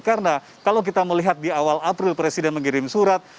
karena kalau kita melihat di awal april presiden mengirim surat